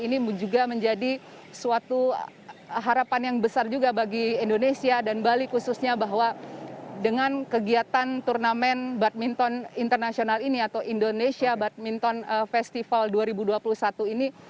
ini juga menjadi suatu harapan yang besar juga bagi indonesia dan bali khususnya bahwa dengan kegiatan turnamen badminton internasional ini atau indonesia badminton festival dua ribu dua puluh satu ini